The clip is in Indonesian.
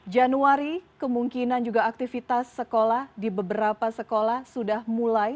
januari kemungkinan juga aktivitas sekolah di beberapa sekolah sudah mulai